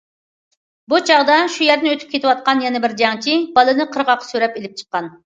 بۇ چاغدا شۇ يەردىن ئۆتۈپ كېتىۋاتقان يەنە بىر جەڭچى بالىنى قىرغاققا سۆرەپ ئېلىپ چىققان.